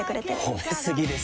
褒め過ぎですよ。